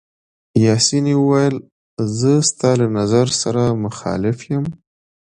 پاسیني وویل: زه ستا له نظر سره مخالف یم.